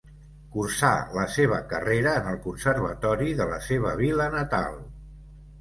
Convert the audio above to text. Cursà la seva carrera en el Conservatori de la seva vila natal.